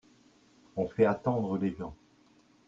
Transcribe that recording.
On fait attendre les gens.